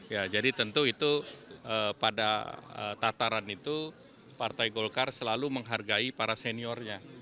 ya jadi tentu itu pada tataran itu partai golkar selalu menghargai para seniornya